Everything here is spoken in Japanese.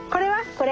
これ。